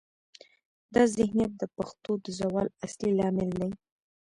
دا ذهنیت د پښتو د زوال اصلي لامل دی.